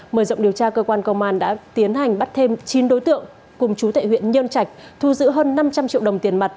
mở rộng điều tra cơ quan công an đã tiến hành bắt thêm chín đối tượng cùng chú tệ huyện nhơn trạch thu giữ hơn năm trăm linh triệu đồng tiền mặt